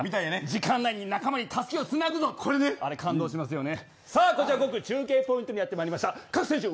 時間内に仲間にたすきをつなぐ感動しますよね。